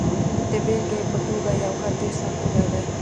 د بېلګې په توګه، یو کس ډېر سخت وږی دی.